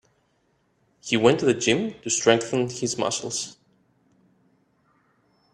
He went to gym to strengthen his muscles.